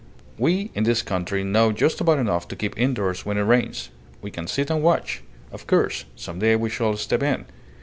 We in this country know just about enough to keep indoors when it rains. We can sit and watch. Of course, some day we shall step in.